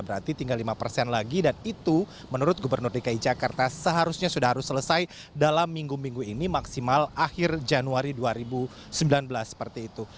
berarti tinggal lima persen lagi dan itu menurut gubernur dki jakarta seharusnya sudah harus selesai dalam minggu minggu ini maksimal akhir januari dua ribu sembilan belas seperti itu